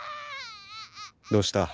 どうした？